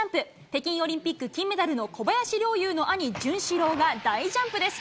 北京オリンピック金メダルの小林陵侑の兄、潤志郎が大ジャンプです。